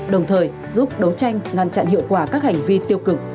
đồng thời giúp đấu tranh ngăn chặn hiệu quả các hành vi tiêu cực